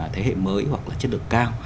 thế hệ mới hoặc chất lượng cao